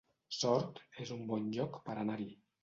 Sort es un bon lloc per anar-hi